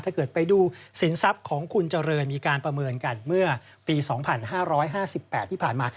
ถ้าเกิดไปดูสินทรัพย์ของคุณเจริญมีการประเมินกันเมื่อปี๒๕๕๘ที่ผ่านมา